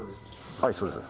はいそうです。